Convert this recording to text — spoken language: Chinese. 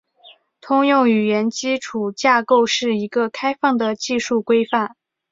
通用语言基础架构是一个开放的技术规范。